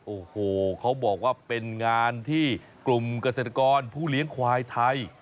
โอ้โหเขาบอกว่าเป็นงานที่กลุ่มเกษตรกรผู้เลี้ยงควายไทย